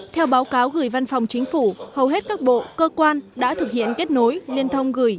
theo báo cáo gửi văn phòng chính phủ hầu hết các bộ cơ quan đã thực hiện kết nối liên thông gửi